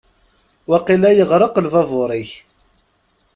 Waqila yeɣreq lbabur-ik.